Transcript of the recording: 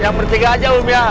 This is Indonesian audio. yang bertiga aja um ya